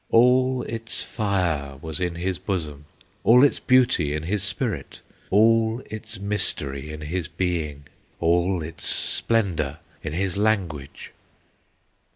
All its fire was in his bosom, All its beauty in his spirit, All its mystery in his being, All its splendor in his language!